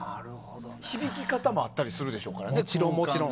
響き方もあったりするでしょうね。